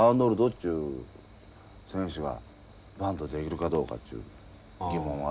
っちゅう選手がバントできるかどうかっちゅう疑問はあるわね。